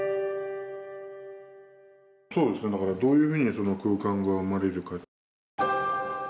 そうですね、だからどういうふうに空間が生まれるか。